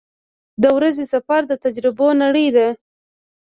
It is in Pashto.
• د ورځې سفر د تجربو نړۍ ده.